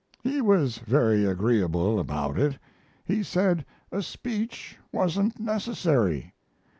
He was very agreeable about it. He said a speech wasn't necessary.